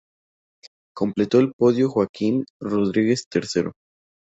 Completó el podio Joaquim Rodríguez, tercero.